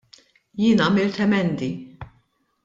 Jien għamilt emendi.